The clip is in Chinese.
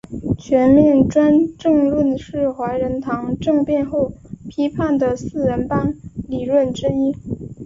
全面专政论是怀仁堂政变后批判的四人帮理论之一。